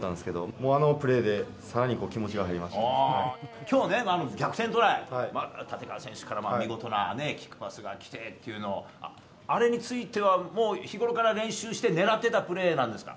もうあのプレーで、さらに気持ちきょうね、逆転トライ、立川選手から見事なキックパスが来てっていうのを、あれについては、もう日頃から練習して、狙ってたプレーなんですか？